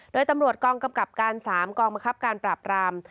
โดยตำรวจกองกำกับการ๓กองบังคับการปราบราม